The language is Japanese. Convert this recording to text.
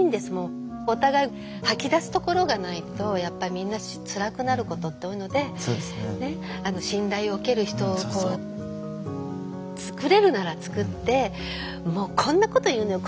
お互い吐き出すところがないとやっぱりみんなつらくなることって多いので信頼を置ける人をつくれるならつくって「もうこんなこと言うのよ